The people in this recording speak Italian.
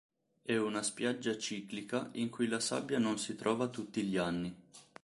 È una spiaggia ciclica in cui la sabbia non si trova tutti gli anni.